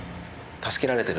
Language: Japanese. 助けられてる？